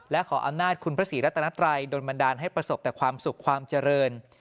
และขออำนาจคุณพระศรีรัตนัตรัยโดนบันดาลให้ประสบแต่ความสุขความเจริญ